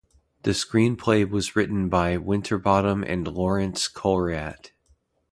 The screenplay was written by Winterbottom and Laurence Coriat.